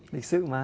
lịch sự mà